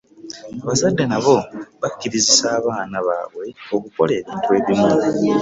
abazadde nabo bakirizisa abaana baabwe okukola ebintu ebimu.